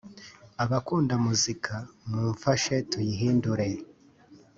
abakunda muzika mumfashe tuyihindure